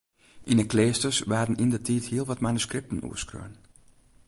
Yn 'e kleasters waarden yndertiid hiel wat manuskripten oerskreaun.